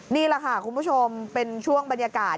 นี่แหละค่ะคุณผู้ชมเป็นช่วงบรรยากาศ